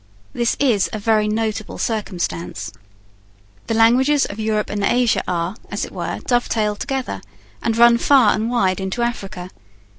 This is a very notable circumstance. The languages of Europe and Asia are, as it were, dovetailed together, and run far and wide into Africa.